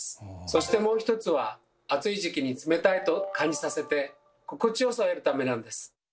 そしてもう一つは暑い時期に「冷たい」と感じさせて心地よさを得るためなんです。